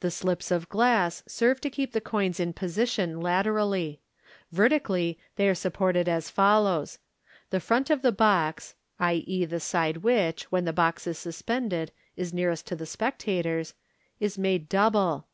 The slips of glass serve to keep the coins in position laterally. Vertically, they are supported as follows :— The front of the box (i.e., the side which, when the box is suspended, is nearest to the spectators) is made double.